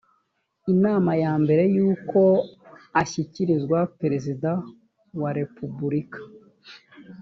inama mbere y uko ashyikirizwa perezida wa repubulika